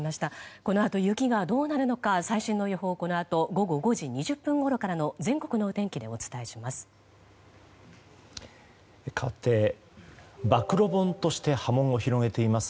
このあと、雪がどうなるのか最新の予報をこの後午後５時２０分からの全国のお天気でお伝えします。